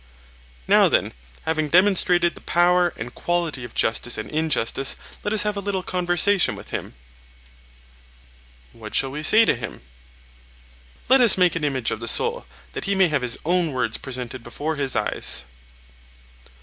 Now then, having determined the power and quality of justice and injustice, let us have a little conversation with him. What shall we say to him? Let us make an image of the soul, that he may have his own words presented before his eyes.